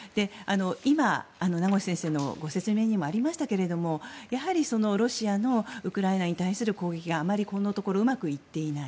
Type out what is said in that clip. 今、名越先生のご説明にもありましたがやはりロシアのウクライナに対する攻撃があまりこのところうまくいっていない。